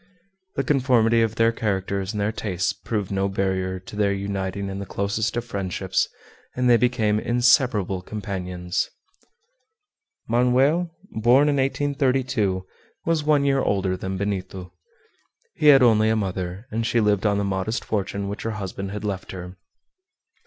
The conformity of their characters and their tastes proved no barrier to their uniting in the closest of friendships, and they became inseparable companions. Manoel, born in 1832, was one year older than Benito. He had only a mother, and she lived on the modest fortune which her husband had left her.